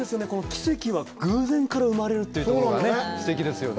奇跡は偶然から生まれるっていうところがすてきですよね